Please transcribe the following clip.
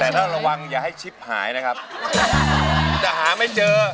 แต่ละละวังอย่าให้ชิบหายนะครับจะหาไม่เจอ